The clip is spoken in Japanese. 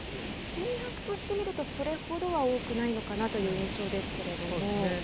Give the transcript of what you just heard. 金額としてみると、それほどは多くないのかなという印象ですそうですね。